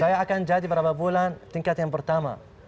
saya akan jadi berapa bulan tingkat yang pertama